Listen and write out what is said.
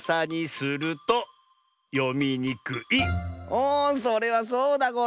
おそれはそうだゴロ！